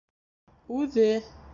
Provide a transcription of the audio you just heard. Үҙе